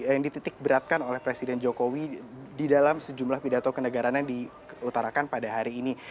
yang dititik beratkan oleh presiden jokowi di dalam sejumlah pidato kenegaraan yang diutarakan pada hari ini